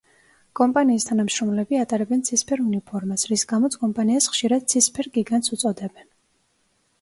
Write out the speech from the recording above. კომპანიის თანამშრომლები ატარებენ ცისფერ უნიფორმას, რის გამოც კომპანიას ხშირად „ცისფერ გიგანტს“ უწოდებენ.